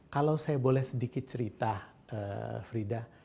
kalau saya boleh sedikit cerita frida